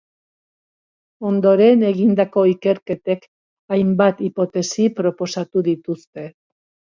Ondoren egindako ikerketek hainbat hipotesi proposatu dituzte.